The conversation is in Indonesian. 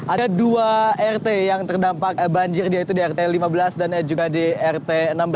ada dua rt yang terdampak banjir yaitu di rt lima belas dan juga di rt enam belas